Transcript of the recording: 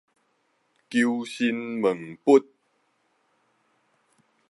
求神問佛